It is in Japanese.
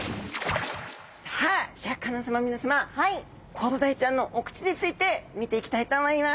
コロダイちゃんのお口について見ていきたいと思います。